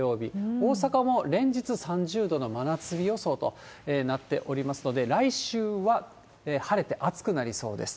大阪も連日３０度の真夏日予想となっておりますので、来週は晴れて暑くなりそうです。